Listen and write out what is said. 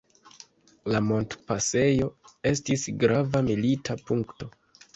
La montpasejo estis grava milita punkto.